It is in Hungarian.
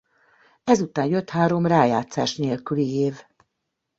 Ezután jött három rájátszás nélküli év.